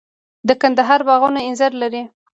د کندهار باغونه انځر لري.